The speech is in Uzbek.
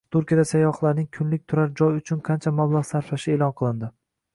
Turkiyada sayyohlarning kunlik turar joy uchun qancha mablag‘ sarflashi e’lon qilindi